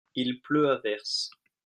il pleut à verse.